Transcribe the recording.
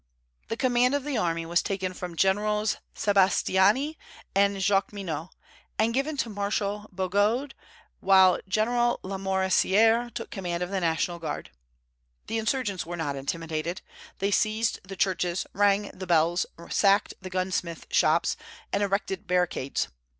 The command of the army was taken from Generals Sébastiani and Jacqueminot, and given to Marshal Bugeaud, while General Lamoricière took the command of the National Guard. The insurgents were not intimidated. They seized the churches, rang the bells, sacked the gunsmith shops, and erected barricades.